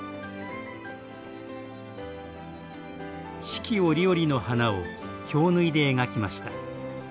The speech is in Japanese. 四季折々の花を京繍で描きました。